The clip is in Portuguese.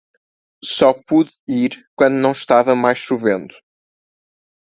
Só pude ir quando não estava mais chovendo